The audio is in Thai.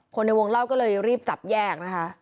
ในวงเล่าก็เลยรีบจับแยกนะคะ